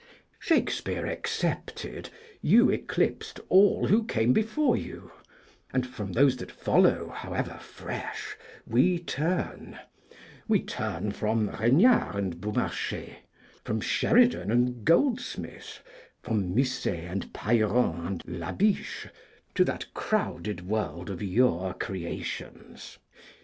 Shakespeare excepted, you eclipsed all who came before you; and from those that follow, however fresh, we turn: we turn from Regnard and Beaumarchais, from Sheridan: and Goldsmith, from Musset and Pailleron and Labiche, to that crowded world of your creations.